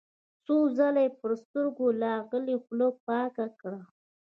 څو ځله يې پر سترګو لاغلې خوله پاکه کړه.